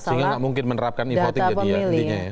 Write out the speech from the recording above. sehingga nggak mungkin menerapkan e voting jadi ya intinya ya